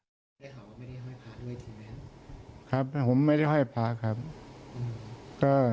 ได้ข่าวว่าไม่ได้ห้อยพาด้วยใช่ไหมครับ